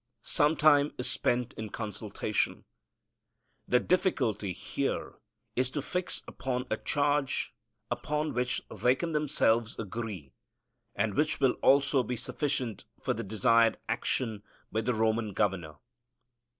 Some time is spent in consultation. The difficulty here is to fix upon a charge upon which they can themselves agree, and which will also be sufficient for the desired action by the Roman governor.